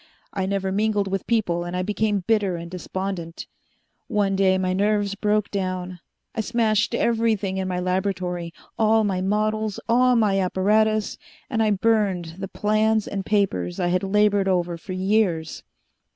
I never mingled with people, and I became bitter and despondent. One day my nerves broke down. I smashed everything in my laboratory, all my models, all my apparatus, and I burned the plans and papers I had labored over for years.